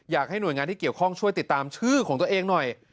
อยากให้หน่วยงานที่เกี่ยวข้องช่วยติดตามชื่อของตัวเองหน่อย